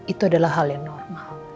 itu adalah hal yang normal